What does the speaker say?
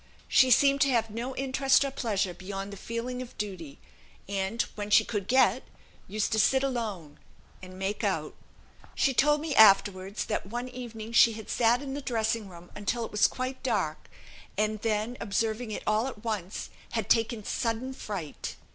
She seemed to have no interest or pleasure beyond the feeling of duty, and, when she could get, used to sit alone, and 'make out.' She told me afterwards, that one evening she had sat in the dressing room until it was quite dark, and then observing it all at once, had taken sudden fright."